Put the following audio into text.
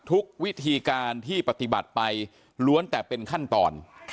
ทุกวิธีการที่ปฏิบัติไปล้วนแต่เป็นขั้นตอน